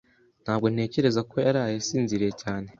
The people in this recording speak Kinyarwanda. Ntabwo ntekereza ko yaraye asinziriye cyane.